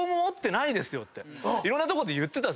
いろんな所で言ってた。